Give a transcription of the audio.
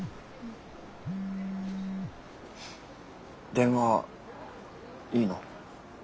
電話いいの？